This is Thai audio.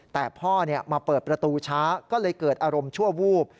แต่พ่อมาเปิดประตูช้าก็เลยเกิดอารมณ์ชั่ววูบ